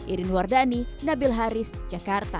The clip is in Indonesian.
irin wardani nabil haris jakarta